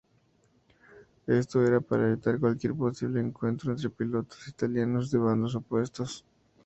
Esto era para evitar cualquier posible encuentro entre pilotos italianos de bandos opuestos.